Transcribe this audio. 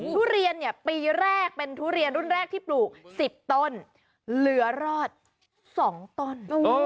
ทุเรียนเนี่ยปีแรกเป็นทุเรียนรุ่นแรกที่ปลูก๑๐ต้นเหลือรอด๒ต้น